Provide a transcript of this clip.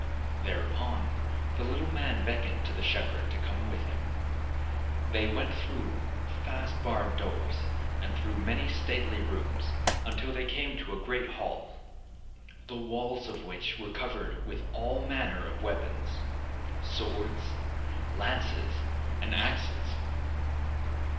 Thereupon the little man beckoned to the shepherd to come with him. They went through fast barred doors, and through many stately rooms, until they came to a great hall, the walls of which were covered with all manner of weapons: swords, lances, and axes.